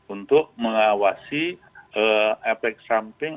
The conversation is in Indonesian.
untuk mengawasi efek samping